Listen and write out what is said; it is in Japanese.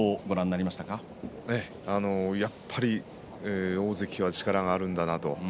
やっぱり大関は力があるんだなと。